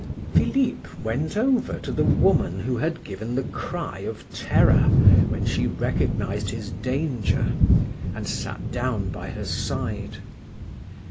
Philip went over to the woman who had given the cry of terror when she recognized his danger, and sat down by her side.